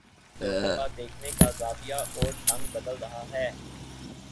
لوگوں کا دیکھنے کا زاویہ اور ڈھنگ بدل رہا ہے۔